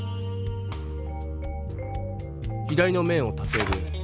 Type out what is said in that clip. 左の面を立てる。